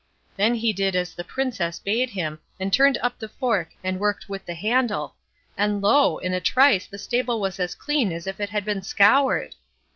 Then he did as the Princess bade him, and turned up the fork and worked with the handle, and lo! in a trice the stable was as clean as if it had been scoured.